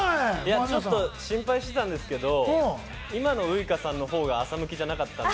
ちょっと心配してたんですけど、今のウイカさんのほうが朝向きじゃなかったんで。